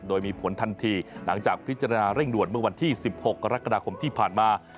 โดยมีผลทันทีหลังจากพิจารณาเร่งด่วนเมื่อวันที่๑๖กรกฎาคมที่ผ่านมา